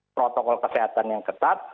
protokol kesehatan yang ketat